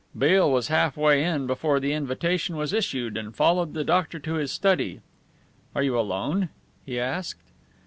Beale was half way in before the invitation was issued and followed the doctor to his study. "Are you alone?" he asked.